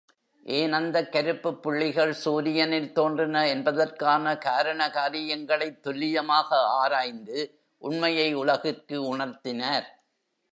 ஏன் அந்தக் கருப்புப் புள்ளிகள் சூரியனில் தோன்றின என்பதற்கான காரண காரியங்களைத் துல்லியமாக ஆராய்ந்து உண்மையை உலகுக்கு உணர்த்தினார்.